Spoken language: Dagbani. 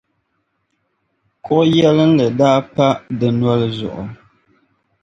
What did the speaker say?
kuɣ’ yɛlinli daa pa di noli zuɣu.